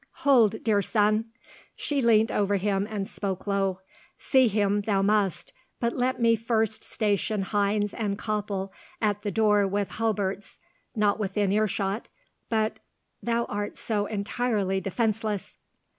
"Hold, dear son." She leant over him and spoke low. "See him thou must, but let me first station Heinz and Koppel at the door with halberts, not within earshot, but thou art so entirely defenceless."